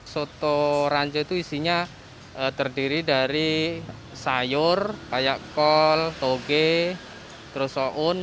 soto rancau itu isinya terdiri dari sayur kayak kol toge terus soun